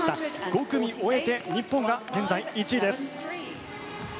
５組終えて日本が現在１位です。